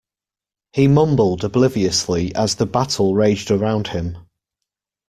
He mumbled obliviously as the battle raged around him.